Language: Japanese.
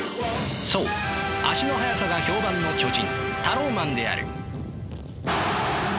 そう足の速さが評判の巨人タローマンである。